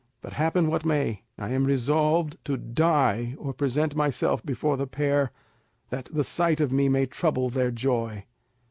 But happen what may, I am resolved to die or present myself before the pair, that the sight of me may trouble their joy.